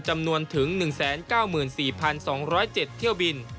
จำนวนถึง๑๙๔๒๐๗เที่ยวบิน